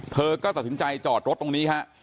เธอก็ตัดสินใจจอดรถตรงนี้ฮะ